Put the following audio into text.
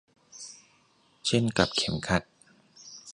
เช่นกับเข็มขัด